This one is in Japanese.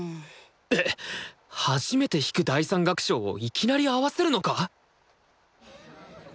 えっ初めて弾く第３楽章をいきなり合わせるのか！？